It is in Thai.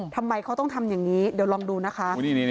ทำไมเขาต้องทำอย่างนี้เดี๋ยวลองดูนะคะ